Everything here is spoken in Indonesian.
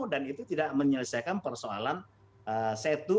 dan itu tidak menyelesaikan persoalan setu